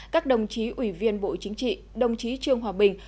các đồng chí ủy viên bộ chính trị đồng chí trương hòa bình